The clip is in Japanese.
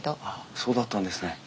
そうだったんですね。